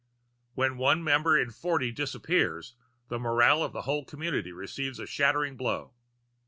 When one member in forty disappears, the morale of the whole community receives a shattering blow.